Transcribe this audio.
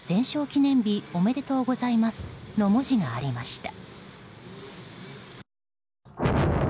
記念日おめでとうございます」の文字がありました。